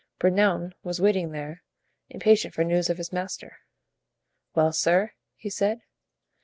Bernouin was waiting there, impatient for news of his master. "Well, sir?" he said.